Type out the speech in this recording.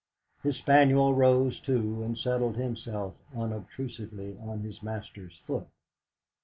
His spaniel rose too, and settled himself unobtrusively on his master's foot.